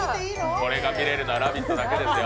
これが見れるのは「ラヴィット！」だけですよ。